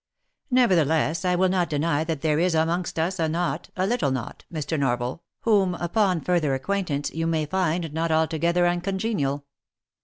Nevertheless, I will not deny that there is amongst us a knot, a little knot, Mr. Norval, whom, upon further acquaintance, you may find not altogether uncongenial.